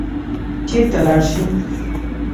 چېرته لاړ شي.